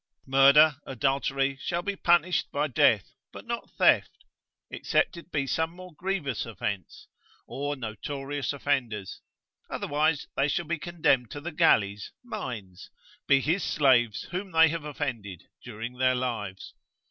Murder, adultery, shall be punished by death, but not theft, except it be some more grievous offence, or notorious offenders: otherwise they shall be condemned to the galleys, mines, be his slaves whom they have offended, during their lives.